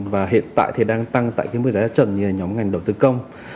và hiện tại thì đang tăng tại những mức giá trần như là nhóm ngành đầu tư công